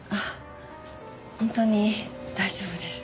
本当に大丈夫です。